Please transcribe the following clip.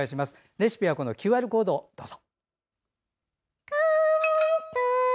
レシピはＱＲコードをどうぞ。